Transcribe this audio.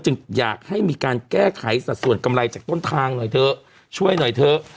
อยากให้มีการแก้ไขสัดส่วนกำไรจากต้นทางหน่อยเถอะช่วยหน่อยเถอะ